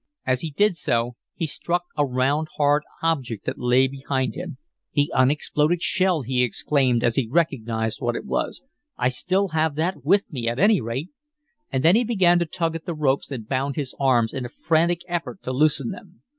As he did so he struck a round, hard object that lay behind him. "The unexploded shell!" he exclaimed, as he recognized what it was. "I still have that with me, at any rate!" And then he began to tug at the ropes that bound his arms in a frantic effort to loosen them.